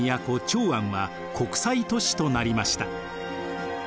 長安は国際都市となりました。